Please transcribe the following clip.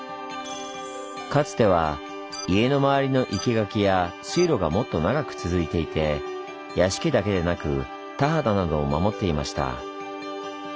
かつては家の周りの生け垣や水路がもっと長く続いていて屋敷だけでなく田畑などを守っていました。